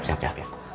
siap siap siap